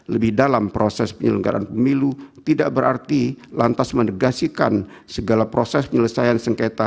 lebih dalam proses penyelenggaraan pemilu tidak berarti lantas mendegasikan segala proses penyelesaian sengketa